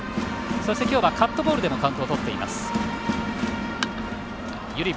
そして、今日はカットボールでもカウントをとっています。